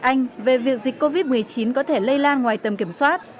anh về việc dịch covid một mươi chín có thể lây lan ngoài tầm kiểm soát